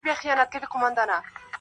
ددغو بې ناموسانو په خاطر